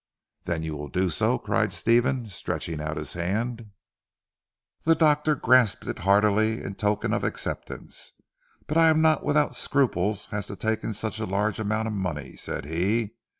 "Then you will do so?" cried Stephen stretching out his hand. The doctor grasped it heartily in token of acceptance. "But I am not without scruples as to taking such a large amount of money," said he.